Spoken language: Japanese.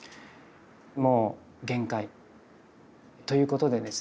もう限界ということでですね